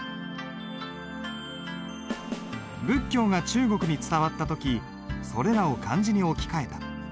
仏教が中国に伝わった時それらを漢字に置き換えた。